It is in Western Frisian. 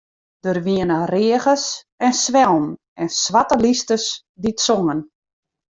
Der wiene reagers en swellen en swarte lysters dy't songen.